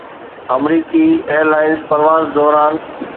آمريڪي airlines پرواز دوران